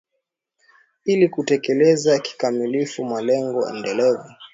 ili kutekeleza kikamilifu malengo endelevu